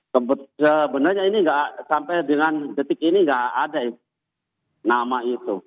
sebenarnya ini nggak sampai dengan detik ini nggak ada nama itu